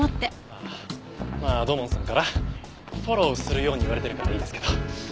まあ土門さんからフォローするように言われてるからいいですけど。